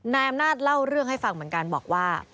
นายอำนาจเล่าเรื่องให้ฟังเหมือนกันบอกว่า